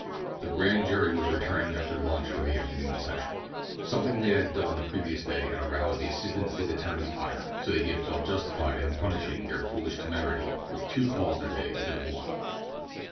The grand jury was returning after lunch for the afternoon session. Something they had done the previous day had aroused the assistant State attorney's ire, so that he had felt justified in punishing their foolish temerity with two calls that day instead of one.